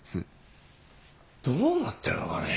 どうなってるのかね。